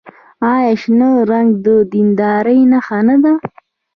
آیا شنه رنګ د دیندارۍ نښه نه ده؟